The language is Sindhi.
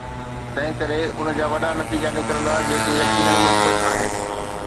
تنهن ڪري ان جا وڏا نتيجا نڪرندا جيڪي يقيناً مثبت آهن.